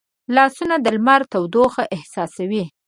لاسونه د لمري تودوخه احساسوي